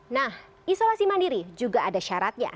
nah isolasi mandiri juga ada syaratnya